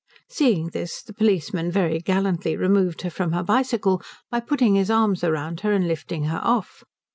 Seeing this, the policeman very gallantly removed her from her bicycle by putting his arms round her and lifting her off.